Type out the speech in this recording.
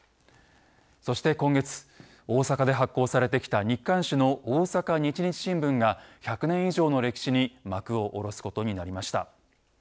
そして今月大阪で発行されてきた日刊紙の大阪日日新聞が１００年以上の歴史に幕を下ろすことになりました。